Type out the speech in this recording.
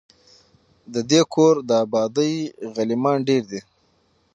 د دې کور د آبادۍ غلیمان ډیر دي